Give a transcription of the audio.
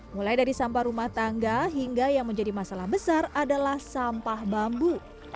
mulai dari sampah rumah tangga hingga yang menjadi masalah besar adalah sampah bambu